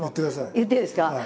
言っていいですか？